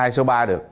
số ba được